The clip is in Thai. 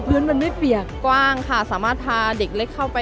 โปรดติดตามต่อไป